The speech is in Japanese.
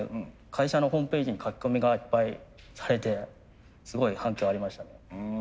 会社のホームページに書き込みがいっぱいされてすごい反響ありましたね。